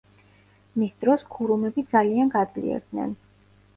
მის დროს ქურუმები ძალიან გაძლიერდნენ.